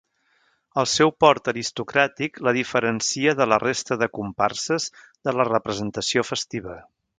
El seu port aristocràtic la diferencia de la resta de comparses de la representació festiva.